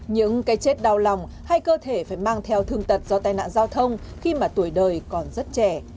những cái chết đau lòng hay cơ thể phải mang theo thương tật do tai nạn giao thông khi mà tuổi đời còn rất trẻ